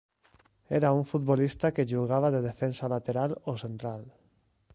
Era un futbolista que jugava de defensa lateral o central.